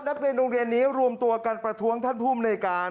นักเรียนโรงเรียนนี้รวมตัวกันประท้วงท่านภูมิในการ